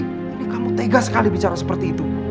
ini kamu tega sekali bicara seperti itu